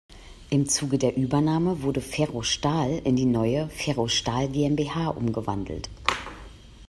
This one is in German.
Im Zuge der Übernahme wurde Ferrostaal in die neue "Ferrostaal GmbH" umgewandelt.